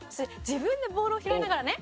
「自分でボールを拾いながらね」